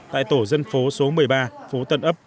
tại tổ dân phố số một mươi ba phố tân ấp